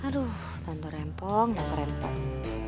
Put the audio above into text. aduh tonton rempong dan kerempong